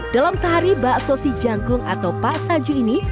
dalam sehari bakso si jangkung atau pak salju ini